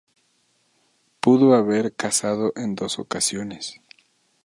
Pudo haber casado en dos ocasiones.